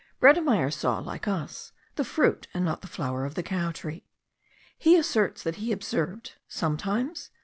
Bredemeyer saw, like us, the fruit, and not the flower of the cow tree. He asserts that he observed [sometimes?